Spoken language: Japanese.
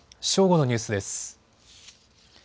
正午のニュースです。